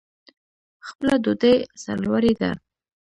خپله ډوډۍ سرلوړي ده.